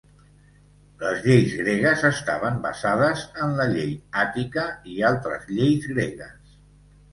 Les lleis gregues estaven basades en la llei àtica i altres lleis gregues.